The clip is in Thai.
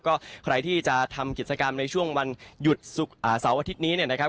ก็ใครที่จะทำกิจกรรมในช่วงวันหยุดเสาร์อาทิตย์นี้เนี่ยนะครับ